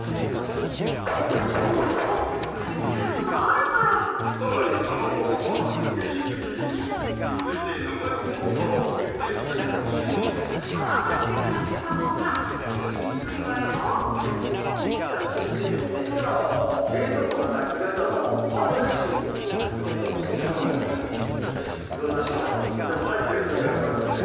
そうそうほかにもやることあるからさらに卵は細かくみじん切りに続いて長いもは皮をむいてすりおろします乾かしてからすったほうが滑りにくいわよでは続いてですねきょう冷蔵庫の中に意外とごまドレッシング入ってると思うんですけども色んな種類あると思うんですがでも入ってる時ありますね